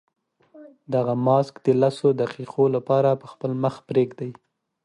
دغه ماسک د لسو دقیقو لپاره په خپل مخ پرېږدئ.